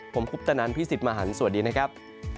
ผมคุปตะนันพี่สิทธิ์มหันฯสวัสดีนะครับ